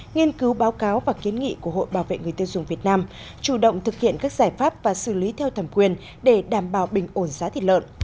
nghiên cứu báo cáo và kiến nghị của hội bảo vệ người tiêu dùng việt nam chủ động thực hiện các giải pháp và xử lý theo thẩm quyền để đảm bảo bình ổn giá thịt lợn